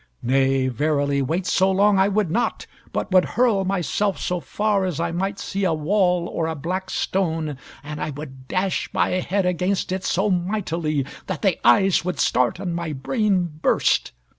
Nay, verily, wait so long I would not; but would hurl myself so far as I might see a wall, or a black stone, and I would dash my head against it so mightily that the eyes would start and my brain burst.